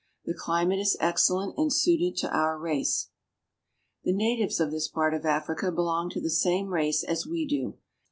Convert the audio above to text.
The climate is excellent and suited to our race. The natives of this part of Africa belong to the same race as we do.